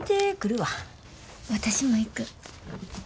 私も行く。